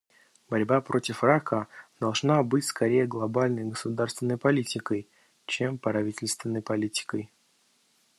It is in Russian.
Борьба против рака должна быть скорее глобальной государственной политикой, чем правительственной политикой.